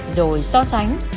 rồi so sánh